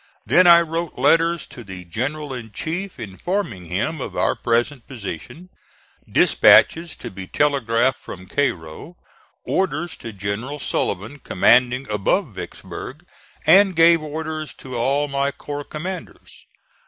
Then I wrote letters to the general in chief informing him of our present position, dispatches to be telegraphed from Cairo, orders to General Sullivan commanding above Vicksburg, and gave orders to all my corps commanders.